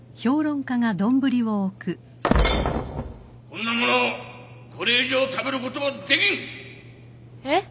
こんなものこれ以上食べることはできん！